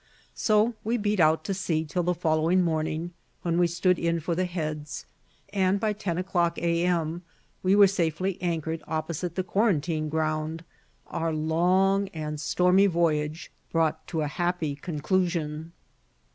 So we beat out to sea till the following morning, when we stood in for the Heads, and by ten o'clock a.m., we were safely anchored opposite the Quarantine Ground our long and stormy voyage brought to a happy conclusion.